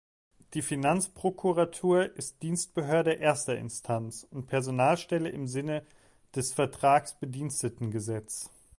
Die Finanzprokuratur ist Dienstbehörde erster Instanz und Personalstelle im Sinne des Vertragsbedienstetengesetz.